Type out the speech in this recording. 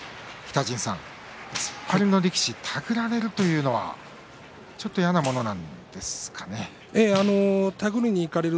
突っ張りの力士、手繰られるというのはちょっと嫌なものなんですかね。